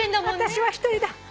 私は１人だ。